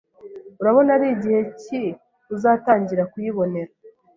urabona ari gihe cyi uzatangira kuyibonera